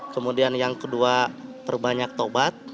kemudian yang kedua terbanyak taubat